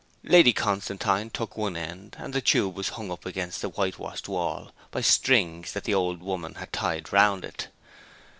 Lady Constantine took one end, and the tube was hung up against the whitewashed wall by strings that the old woman had tied round it.